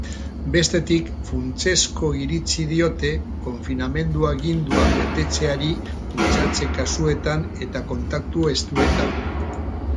Bestetik, funtsezko iritzi diote konfinamendu-aginduak betetzeari kutsatze-kasuetan eta kontaktu estuetan.